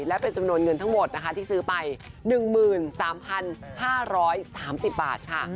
และเป็นจำนวนเงินทั้งหมดนะคะที่ซื้อไป๑๓๕๓๐บาทค่ะ